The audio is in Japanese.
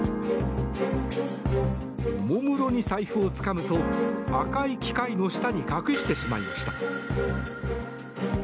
おもむろに財布をつかむと赤い機械の下に隠してしまいました。